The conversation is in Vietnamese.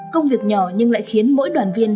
công việc nhỏ nhưng lại khiến mỗi đoàn viên